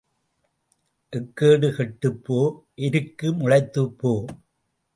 எக்கேடு கெட்டுப் போ எருக்கு முளைத்துப் போ.